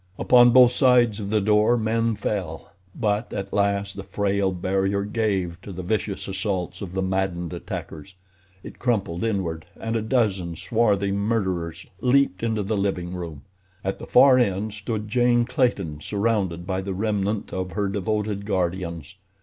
Upon both sides of the door men fell; but at last the frail barrier gave to the vicious assaults of the maddened attackers; it crumpled inward and a dozen swarthy murderers leaped into the living room. At the far end stood Jane Clayton surrounded by the remnant of her devoted guardians.